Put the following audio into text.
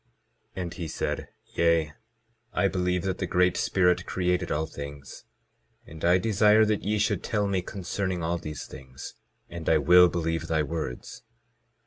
22:11 And he said: Yea, I believe that the Great Spirit created all things, and I desire that ye should tell me concerning all these things, and I will believe thy words.